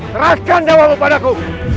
serahkan dewa lo padaku